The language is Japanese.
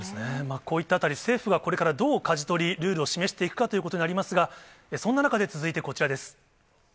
こういったあたり、政府はこれからどうかじ取り、ルールを示していくかということになりますが、そんな中で続いてこちらです。